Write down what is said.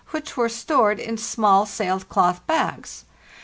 which were stored in small sail cloth bags.